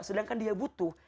sedangkan dia butuh